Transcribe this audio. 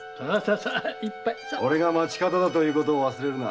俺が町方だということを忘れるな。